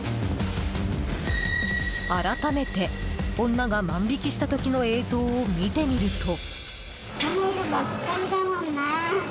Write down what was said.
改めて、女が万引きした時の映像を見てみると。